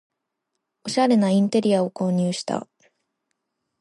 おしゃれなインテリアを購入した